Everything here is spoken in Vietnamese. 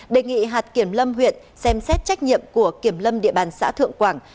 đề nghị hạt kiểm lâm huyện xem xét trách nhiệm của kiểm lâm địa bàn xã thượng quảng